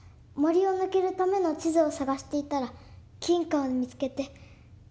森を抜けるための地図を探していたら金貨を見つけて。